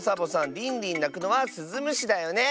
リンリンなくのはスズムシだよね。